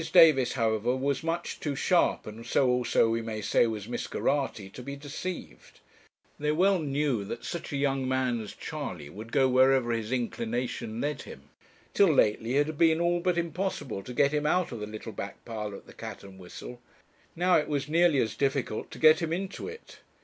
Davis, however, was much too sharp, and so also we may say was Miss Geraghty, to be deceived. They well knew that such a young man as Charley would go wherever his inclination led him. Till lately it had been all but impossible to get him out of the little back parlour at the 'Cat and Whistle'; now it was nearly as difficult to get him into it.